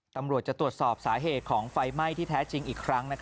ตำรวจจะตรวจสอบสาเหตุของไฟไหม้ที่แท้จริงอีกครั้ง